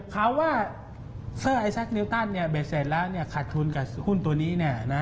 เขาว่าเซอร์ไอแซคนิวตันเบ็ดเสร็จแล้วขาดทุนกับหุ้นตัวนี้